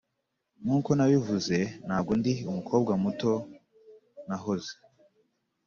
nkuko nabivuze ntabwo ndi umukobwa muto nahoze